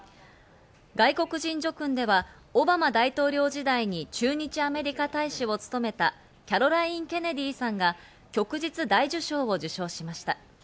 外国人叙勲では、オバマ大統領時代に駐日アメリカ大使を務めたキャロライン・ケネディさんが旭日大綬章を受章しました。